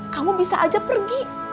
kamu bisa aja pergi